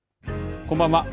こんばんは。